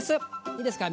いいですか。